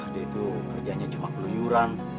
dia itu kerjanya cuma keluyuran